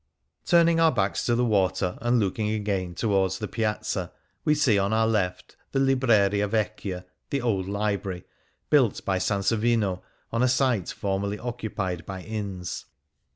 Turning our backs to the water, and looking again towards the Piazza, we see on our left the Libreria Vecchia, the Old Library, built by Sansovino on a site formerly occupied by inns.